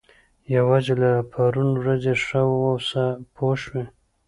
یوازې له پرون ورځې ښه واوسه پوه شوې!.